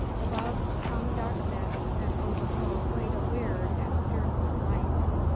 Above, hung dark mists, and over all played a weird and fearful light.